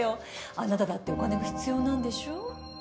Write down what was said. あなただってお金が必要なんでしょう？